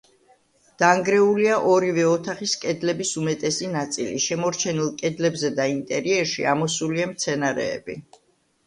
დანგრეულია ორივე ოთახის კედლების უმეტესი ნაწილი, შემორჩენილ კედლებზე და ინტერიერში ამოსულია მცენარეები.